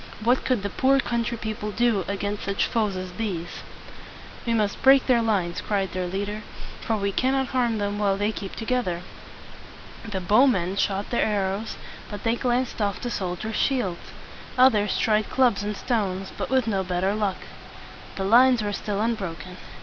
What could the poor country people do against such foes as these? "We must break their lines," cried their leader; "for we cannot harm them while they keep together." The bowmen shot their arrows, but they glanced off from the soldiers' shields. Others tried clubs and stones, but with no better luck. The lines were still un bro ken.